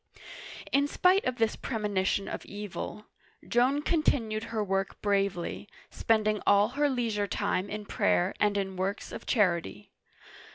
In spite of this premonition of evil, Joan continued her work bravely, spending all her leisure time in prayer and in works of charity.